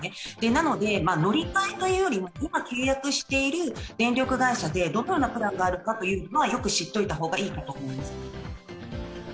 なので、乗り換えというよりも今、契約している電力会社でどのようなプランがあるのかというのはよく知っておいた方がいいかと思います。